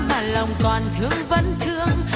mà lòng còn thương vẫn thương